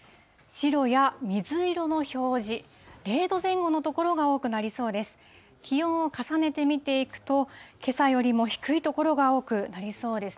白や水色の表示、０度前後の所が多くなりそうです。